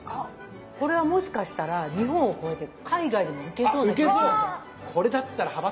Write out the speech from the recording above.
これはもしかしたら日本を越えて海外でも受けそうな気がします。